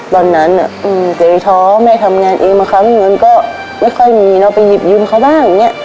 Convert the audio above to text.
ตอนนั้นเจริเทาะแม่ทำงานเองบางครั้งอย่างนั้นก็ไม่ค่อยมีเนอะไปหยิบยุ่มเค้าบ้างอย่างเนี่ย